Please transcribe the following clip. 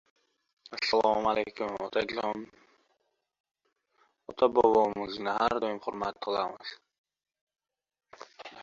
— Ota-bovamizning hunarini yerda qoldirmayin deyman-da.